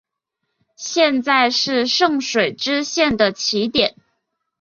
现在是圣水支线的起点。